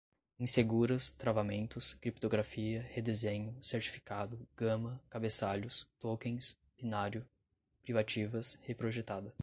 inseguras, travamentos, criptografia, redesenho, certificado, gama, cabeçalhos, tokens, binário, privativas, reprojetada